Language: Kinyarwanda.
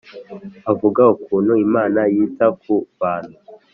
Avuga ukuntu Imana yita ku bantu